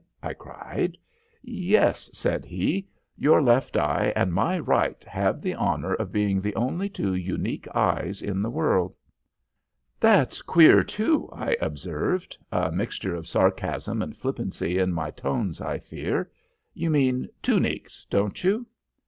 I cried. "'Yes,' said he. 'Your left eye and my right have the honor of being the only two unique eyes in the world.' "'That's queer too,' I observed, a mixture of sarcasm and flippancy in my tones, I fear. 'You mean twonique, don't you?'